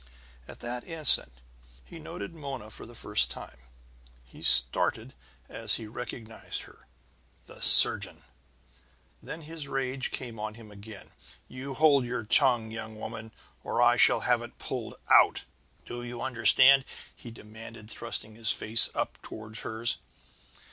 At that instant he noted Mona for the first time. He started as he recognized her. "The surgeon!" Then his rage came on him again. "You hold your tongue, young woman, or I shall have it pulled out! Do you understand?" he demanded, thrusting his face up toward hers.